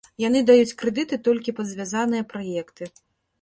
Яны даюць крэдыты толькі пад звязаныя праекты.